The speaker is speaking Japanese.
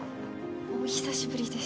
久しぶり。